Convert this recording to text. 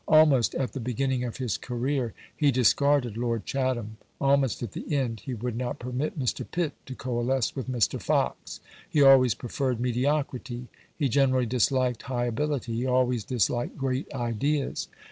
Almost at the beginning of his career he discarded Lord Chatham: almost at the end he would not permit Mr. Pitt to coalesce with Mr. Fox. He always preferred mediocrity; he generally disliked high ability; he always disliked great ideas.